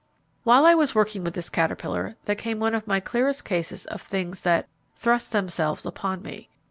While I was working with this caterpillar, there came one of my clearest cases of things that 'thrust themselves upon me.'